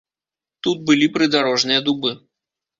Тут былі прыдарожныя дубы.